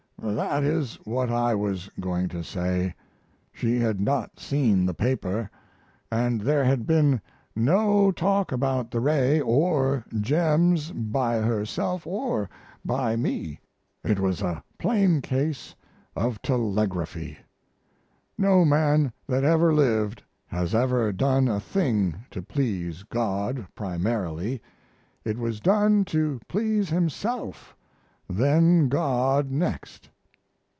That is what I was going to say. She had not seen the paper, & there had been no talk about the ray or gems by herself or by me. It was a plain case of telegraphy. No man that ever lived has ever done a thing to please God primarily. It was done to please himself, then God next.